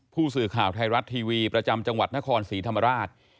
ผู้สื่อข่าวไทยรัฐทีวีประจำจังหวัดนครศรีธรรมราช